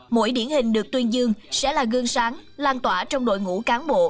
mỗi điển hình được tuyên dương sẽ là gương sáng lan tỏa trong đội ngũ cán bộ